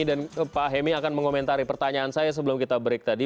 dan pak hemi akan mengomentari pertanyaan saya sebelum kita break tadi